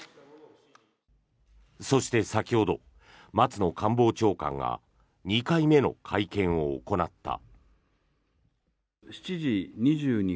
そして、先ほど松野官房長官が２回目の会見を行った。